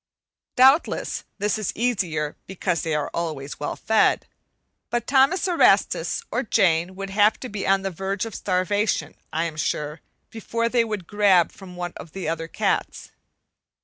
Doubtless, this is easier because they are always well fed, but Thomas Erastus or Jane would have to be on the verge of starvation, I am sure, before they would "grab" from one of the other cats.